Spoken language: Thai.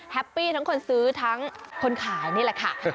ปี้ทั้งคนซื้อทั้งคนขายนี่แหละค่ะ